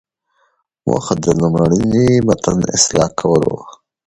موخه د لومړني متن اصلاح کول وو.